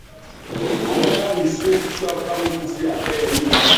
Andjara rissú i su akamú uffúffüiya akêrê yïmá.